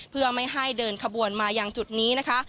เพื่อไม่ให้เดินขบวนมาอย่างจุดนี้นะคะ